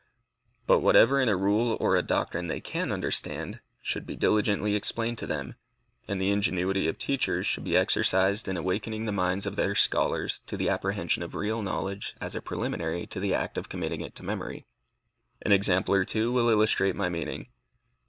But whatever in a rule or a doctrine they can understand, should be diligently explained to them, and the ingenuity of teachers should be exercised in awakening the minds of their scholars to the apprehension of real knowledge as a preliminary to the act of committing it to memory. An example or two will illustrate my meaning.